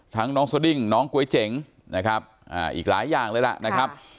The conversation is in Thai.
น้องสดิ้งน้องก๋วยเจ๋งนะครับอีกหลายอย่างเลยล่ะนะครับ